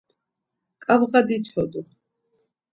Ǩabğa diçodu.